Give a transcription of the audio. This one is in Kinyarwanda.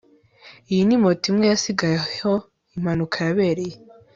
iyi ni moto imwe yasigaye aho impanuka yabereye